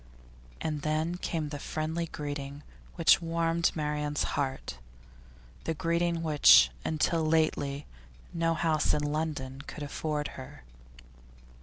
And then came the friendly greeting which warmed Marian's heart, the greeting which until lately no house in London could afford her.